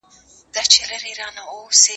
زه پرون د سبا لپاره د هنرونو تمرين کوم..